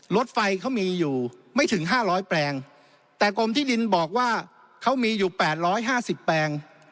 รถไฟเขามีอยู่ไม่ถึงห้าร้อยแปลงแต่กรมที่ดินบอกว่าเขามีอยู่๘๕๐แปลง